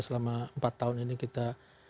selama empat tahun ini kita